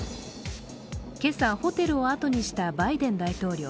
今朝、ホテルを後にしたバイデン大統領。